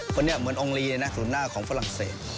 คนนี้เหมือนอองลีเลยนะศูนย์หน้าของฝรั่งเศส